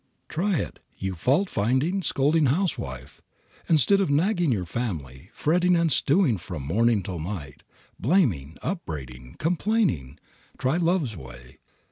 Try it, you fault finding, scolding housewife. Instead of nagging your family, fretting and stewing from morning till night, blaming, upbraiding, complaining, try love's way.